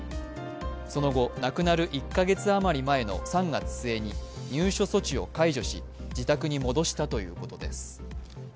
その後、亡くなる１か月余り前の３月末に入所措置を解除し、自宅に戻したということです。